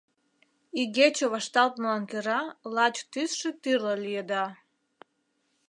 Игече вашталтмылан кӧра лач тӱсшӧ тӱрлӧ лиеда.